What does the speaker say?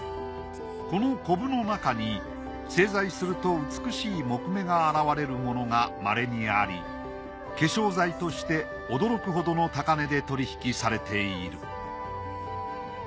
この瘤の中に製材すると美しい杢目が現れるものがまれにあり化粧材として驚くほどの高値で取引されている